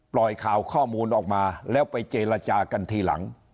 ปล่อยข่าวข้อมูลออกมาแล้วไปเจรจากันทีหลัง